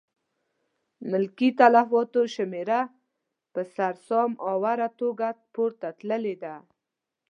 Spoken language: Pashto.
ملکي تلفاتو شمېره په سر سام اوره توګه پورته تللې ده.